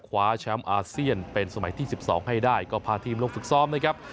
คว้าแชมป์อาเซียนเป็นสมัยที่๑๒ให้ได้ก็พาทีมลงฝึกซ้อมนะครับ